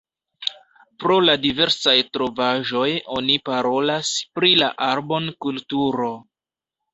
Pro la diversaj trovaĵoj oni parolas pri la Arbon-kulturo.